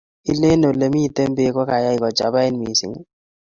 ilen ole mito peek ko kayai kochapait mising